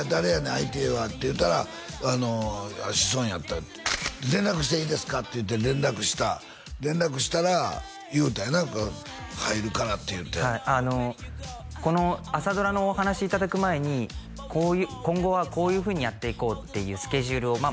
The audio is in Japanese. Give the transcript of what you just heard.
相手は」って言うたらあの志尊やったよって「連絡していいですか？」って言うて連絡した連絡したら言うたよな「入るから」って言うてはいあのこの朝ドラのお話いただく前に今後はこういうふうにやっていこうっていうスケジュールをまあ